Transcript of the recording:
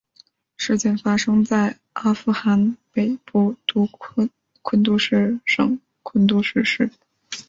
事件发生在阿富汗北部昆都士省昆都士市。